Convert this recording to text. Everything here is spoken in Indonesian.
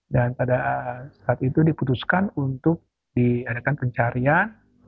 dan pada saat itu diputuskan untuk diadakan pencarian